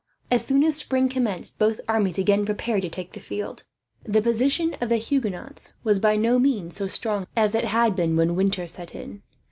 As soon as spring commenced, both armies again prepared to take the field. The position of the Huguenots was by no means so strong as it had been, when winter set in.